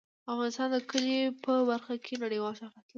افغانستان د کلي په برخه کې نړیوال شهرت لري.